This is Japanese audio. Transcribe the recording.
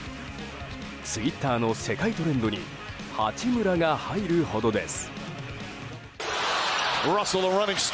ツイッターの世界トレンドに「Ｈａｃｈｉｍｕｒａ」が入るほどです。